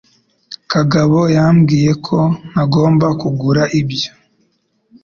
Kagabo yambwiye ko ntagomba kugura ibyo.